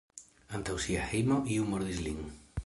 Antaŭ sia hejmo iu murdis lin.